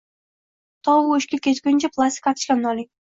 To bu ishga tushguncha plastik kartochkamni oling